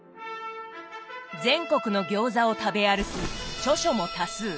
全国の餃子を食べ歩き著書も多数。